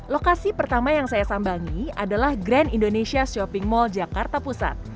lokasi pertama yang saya sambangi adalah grand indonesia shopping mall jakarta pusat